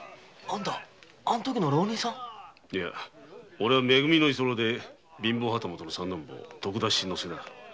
おれは「め組」の居候で貧乏旗本の三男坊徳田新之助だ。